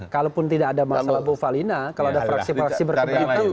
kalaupun tidak ada masalah bu falina kalau ada fraksi fraksi berkeberatan